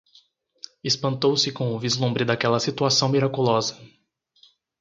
Espantou-se com o vislumbre daquela situação miraculosa